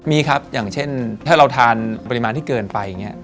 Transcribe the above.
มีครับอย่างเช่นถ้าเราทานปริมาณที่เกินไป